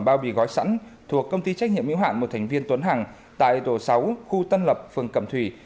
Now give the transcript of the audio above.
bao bì gói sẵn thuộc công ty trách nhiệm hiệu hạn một thành viên tuấn hằng tại tổ sáu khu tân lập phường cẩm thủy